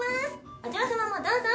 お嬢様もどうぞ！